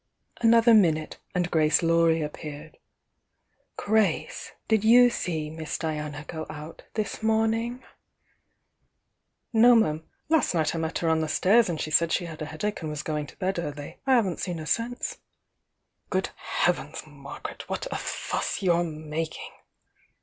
pother minute, and Grace Laurie appeared. ^^Gra«e, did you see Miss Diana go out this mom "No, 'm. Last night I met her on the stairs, and she said she had a headache and was going to bed early. I haven't seen her since." ««> «ea •"^^ heavens, Margaret, what a fuss you're mak ing!